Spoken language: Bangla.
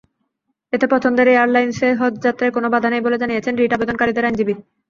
এতে পছন্দের এয়ারলাইনসে হজযাত্রায় কোনো বাধা নেই বলে জানিয়েছেন রিট আবেদনকারীদের আইনজীবী।